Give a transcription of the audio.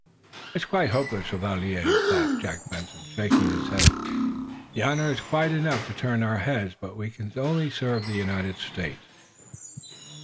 "It is quite hopeless, Chevalier," laughed Jack Benson, shaking his head. "The honor is quite enough to turn our heads, but we can serve only the United States."